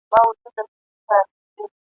چي آواز به یې خپل قام لره ناورین وو !.